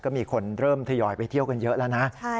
ก็มีคนเริ่มทยอยไปเที่ยวกันเยอะแล้วนะ